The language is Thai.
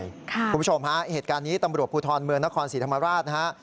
คุณผู้ชมฮะเหตุการณ์นี้ตำรวจภูทรเมืองนครศรีธรรมราชนะฮะ